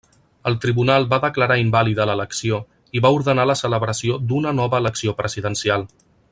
El tribunal va declarar invàlida l'elecció i va ordenar la celebració d'una nova elecció presidencial.